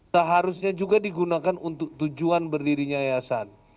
seharusnya juga digunakan untuk tujuan berdirinya yayasan